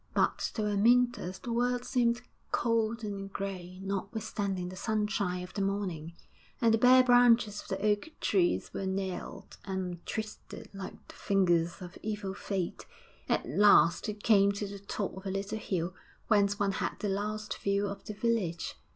But to Amyntas the world seemed cold and grey, notwithstanding the sunshine of the morning; and the bare branches of the oak trees were gnarled and twisted like the fingers of evil fate. At last he came to the top of a little hill whence one had the last view of the village.